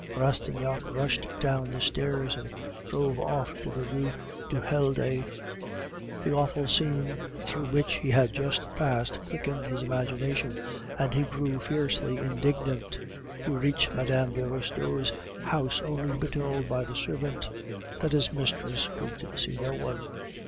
Rastignac rushed down the stairs, and drove off to the Rue du Helder. The awful scene through which he had just passed quickened his imagination, and he grew fiercely indignant. He reached Mme. de Restaud's house only to be told by the servant that his mistress could see no one.